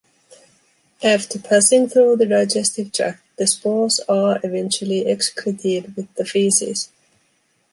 After passing through the digestive tract, the spores are eventually excreted with the feces.